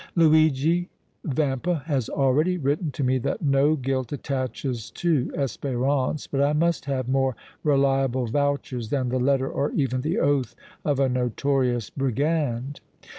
"Luigi Vampa has already written to me that no guilt attaches to Espérance, but I must have more reliable vouchers than the letter or even the oath of a notorious brigand."